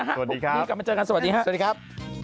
สวัสดีครับสวัสดีครับพี่กลับมาเจอกันสวัสดีครับสวัสดีครับ